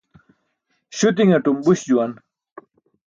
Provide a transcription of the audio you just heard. Śuti̇naṭum buś juwan.